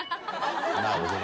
なるほどな。